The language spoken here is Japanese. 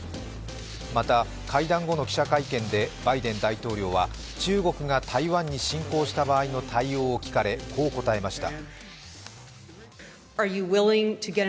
また、会談後の記者会見でバイデン大統領は中国が台湾に侵攻した場合の対応を聞かれこう答えました。